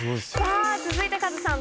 続いてカズさん